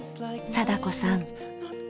貞子さん。